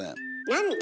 なんで？